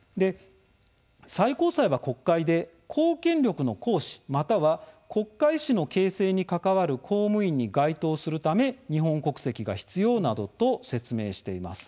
最高裁は国会で公権力の行使または国家意思の形成に関わる公務員に該当するため日本国籍が必要などと説明しています。